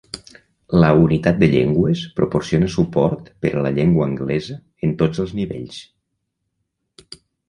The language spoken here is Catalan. La unitat de llengües proporciona suport per a la llengua anglesa en tots els nivells.